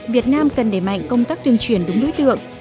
việt nam cần để mạnh công tác tương truyền đúng đối tượng